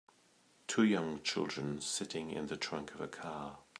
two young children sitting in the trunk of a car